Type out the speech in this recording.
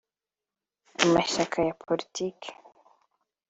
Amashyaka ya politike